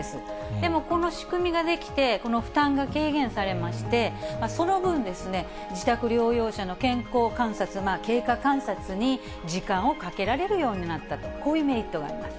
でも、この仕組みが出来て、この負担が軽減されまして、その分ですね、自宅療養者の健康観察、経過観察に時間をかけられるようになったと、こういうメリットがあります。